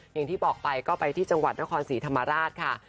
อย่างที่บอกไปก็ไปที่จังหวัดนครศรีธรรมราชค่ะ